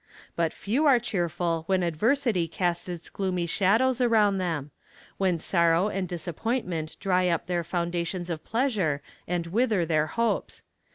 But few are cheerful when adversity casts its gloomy shadows around them; when sorrow and disappointment dry up their fountains of pleasure and wither their hopes.